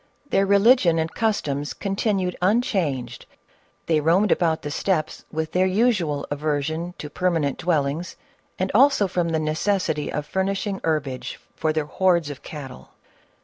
Their religion and customs continued un changed; they roamed about the steppes with their usual aversion to permanent dwellings, and also from the necessity of furnishing herbage for their hordes of cattle.